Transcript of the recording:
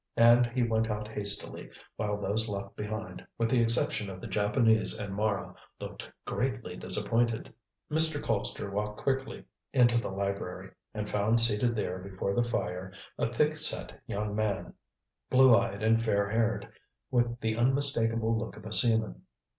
And he went out hastily, while those left behind, with the exception of the Japanese and Mara, looked greatly disappointed. Mr. Colpster walked quickly into the library, and found seated there before the fire a thick set young man, blue eyed and fair haired, with the unmistakable look of a seaman.